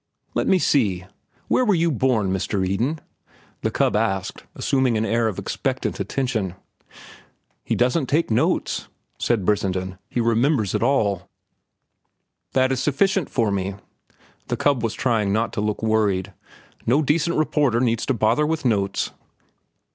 "Let me see—where were you born, Mr. Eden?" the cub asked, assuming an air of expectant attention. "He doesn't take notes," said Brissenden. "He remembers it all." "That is sufficient for me." The cub was trying not to look worried. "No decent reporter needs to bother with notes."